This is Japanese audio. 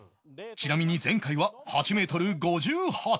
ちなみに前回は８メートル５８